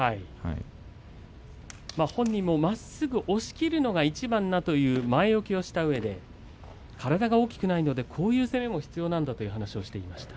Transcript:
本人もまっすぐ押しきるのがいちばんだと前置きしたうえで体が大きくないので、こういう攻めも必要だと話していました。